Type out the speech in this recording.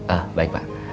ah baik pak